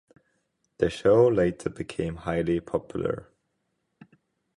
The show later became highly popular.